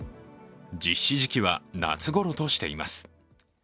実施時期は夏ごろとしています。